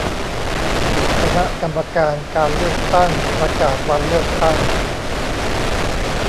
คณะกรรมการการเลือกตั้งประกาศวันเลือกตั้ง